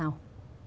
hẹn gặp lại